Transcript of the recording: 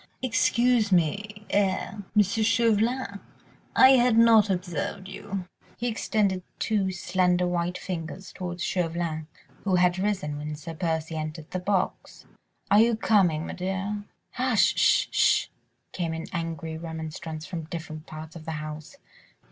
... Excuse me—er—Monsieur Chauvelin—I had not observed you. ..." He extended two slender, white fingers towards Chauvelin, who had risen when Sir Percy entered the box. "Are you coming, m'dear?" "Hush! Sh! Sh!" came in angry remonstrance from different parts of the house.